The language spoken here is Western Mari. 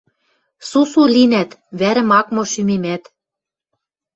Сусу линӓт, вӓрӹм ак мо шӱмемӓт.